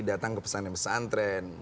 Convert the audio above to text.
datang ke pesan pesan tren